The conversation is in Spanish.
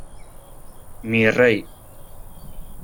¡ mi rey!